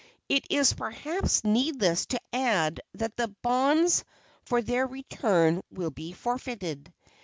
It is perhaps needless to add that the bonds for their return will be forfeited.